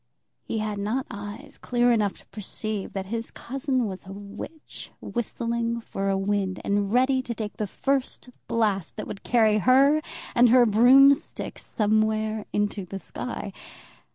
He had not eyes clear enough to perceive that his cousin was a witch whistling for a wind, and ready to take the first blast that would carry her and her broomstick somewhere into the sky.